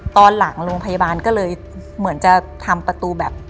ตอนหลังโรงพยาบาลก็เลยเหมือนจะทำประตูแบบ